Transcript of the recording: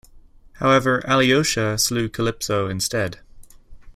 However, Alyosha slew Calypso instead.